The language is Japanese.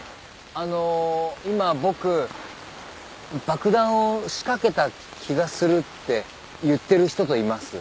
あの今僕爆弾を仕掛けた気がするって言ってる人といます。